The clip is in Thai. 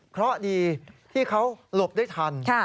เพราะดีที่เขาหลบได้ทัน